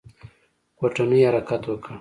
کوټنۍ حرکت وکړ.